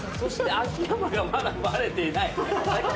秋山がまだバレてない。